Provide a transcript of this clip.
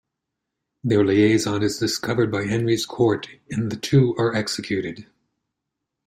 Their liaison is discovered by Henry's court and the two are executed.